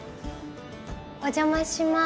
お邪魔します。